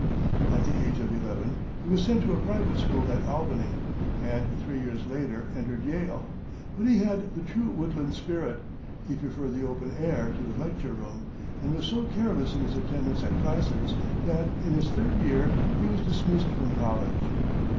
At the age of eleven, he was sent to a private school at Albany, and three years later entered Yale. But he had the true woodland spirit; he preferred the open air to the lecture room, and was so careless in his attendance at classes that, in his third year, he was dismissed from college.